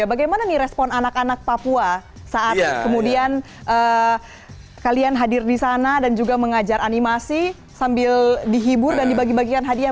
bagaimana nih respon anak anak papua saat kemudian kalian hadir di sana dan juga mengajar animasi sambil dihibur dan dibagi bagikan hadiah